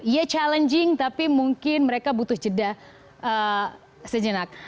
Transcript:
ya challenging tapi mungkin mereka butuh jeda sejenak